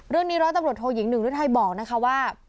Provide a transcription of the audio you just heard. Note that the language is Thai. เรื่องนี้ร้อยตำรวจโทยิง๑รื้อไทยบอกนะคะว่า